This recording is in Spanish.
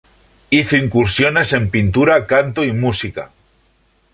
Hizo incursiones en pintura, canto y música.